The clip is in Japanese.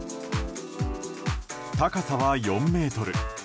高さは４ｍ。